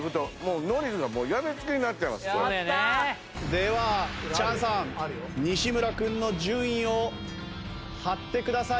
ではチャンさん西村君の順位を貼ってください。